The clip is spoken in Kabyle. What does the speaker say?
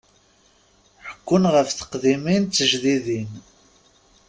Ḥekkun ɣef teqdimin d tejdidin.